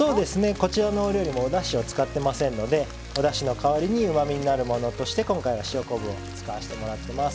こちらのお料理もおだしを使ってませんのでおだしの代わりにうまみになるものとして今回は塩昆布を使わせてもらってます。